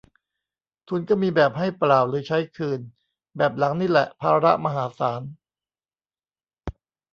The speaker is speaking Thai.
ทุนก็มีแบบให้เปล่าหรือใช้คืน แบบหลังนี่แหละภาระมหาศาล